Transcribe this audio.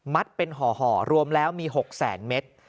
มัดเป็นห่อรวมแล้วมี๖๐๐๐๐๐เมตร